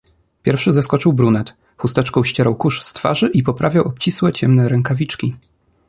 "Pierwszy zeskoczył brunet, chusteczką ścierał kurz z twarzy i poprawiał obcisłe ciemne rękawiczki."